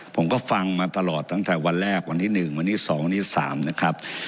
ผมก็ฟังมาตลอดตั้งแต่วันแรกวันที่๑วันที่๒ที่๓นะครับ